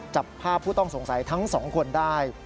จับภาพผู้ต้องสงสัยทั้ง๒คนได้